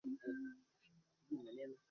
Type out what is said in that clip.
Mume kushauriana na ukoo